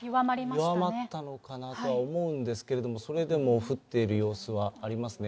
弱まったのかなとは思うんですけれども、それでも降っている様子はありますね。